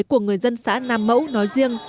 của người dân xã nam mẫu nói riêng